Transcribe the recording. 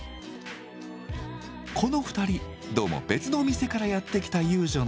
この２人どうも別の店からやって来た遊女のようです。